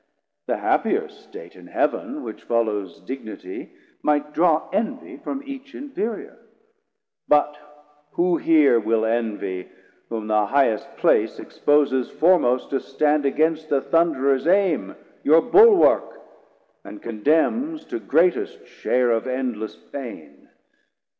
The happier state In Heav'n, which follows dignity, might draw Envy from each inferior; but who here Will envy whom the highest place exposes Formost to stand against the Thunderers aime Your bulwark, and condemns to greatest share Of endless pain?